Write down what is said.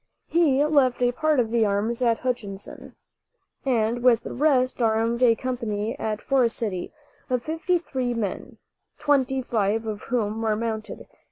He left a part of the arms at Hutchinson, and with the rest armed a company at Forest City, of fifty three men, twenty five of whom were mounted.